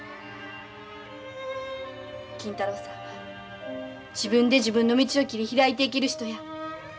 金太郎さんは自分で自分の道を切り開いていける人や。